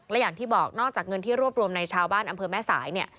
และอย่างที่บอกนอกจากเงินที่รวบรวมในชาวบ้านอำเภอแม่สายเนี่ย